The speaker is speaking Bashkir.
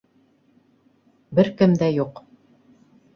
Бер кем дә юҡ.